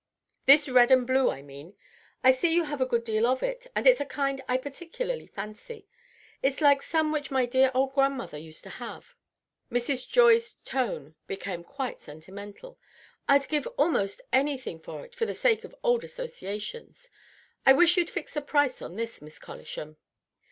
"This red and blue, I mean. I see you have a good deal of it, and it's a kind I particularly fancy. It's like some which my dear old grandmother used to have." Mrs. Joy's tone became quite sentimental. "I'd give almost anything for it, for the sake of old associations. I wish you'd fix a price on this, Miss Collisham."